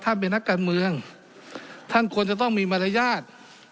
เป็นนักการเมืองท่านควรจะต้องมีมารยาท